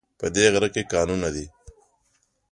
په دی غره کې کانونه دي